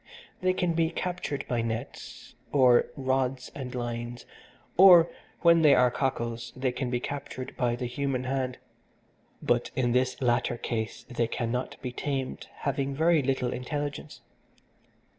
They can be captured by nets, or rods and lines, or, when they are cockles, they can be captured by the human hand, but, in this latter case, they cannot be tamed, having very little intelligence.